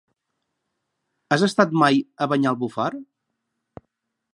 Has estat mai a Banyalbufar?